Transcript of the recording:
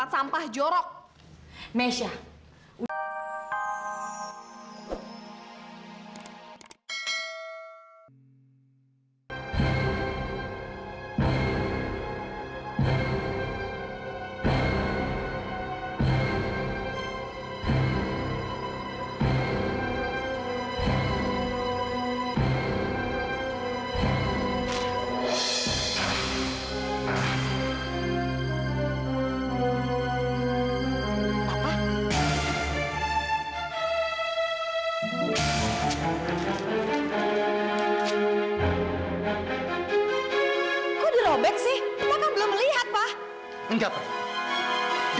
zahira ini memang anak saya